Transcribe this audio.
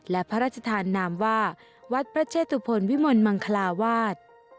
และพระราชทานนามว่าวัดพระเชตุพลวิมลมังคลาวาส